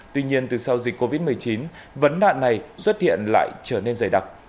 tuy nhiên từ sau dịch covid một mươi chín vấn đạn này xuất hiện lại trở nên dày đặc